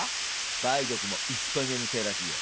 梅毒もイスパニアのせいらしいよ。